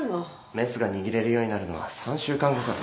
メスが握れるようになるのは３週間後かと。